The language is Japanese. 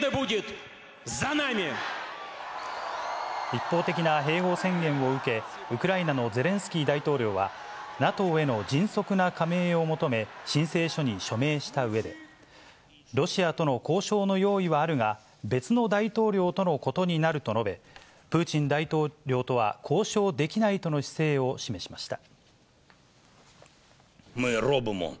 一方的な併合宣言を受け、ウクライナのゼレンスキー大統領は、ＮＡＴＯへの迅速な加盟を求め、申請書に署名したうえで、ロシアとの交渉の用意はあるが、別の大統領とのことになると述べ、プーチン大統領とは交渉できないとの姿勢を示しました。